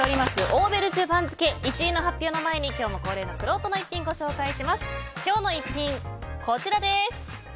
オーベルジュ番付１位の発表の前に今日も恒例のくろうとの逸品をご紹介します。